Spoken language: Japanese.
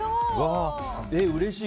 うれしい！